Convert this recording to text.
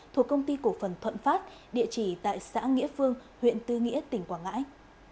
thuộc công ty cổ phần thuận pháp địa chỉ tại xã nghĩa phương huyện tư nghĩa tỉnh quảng ngãi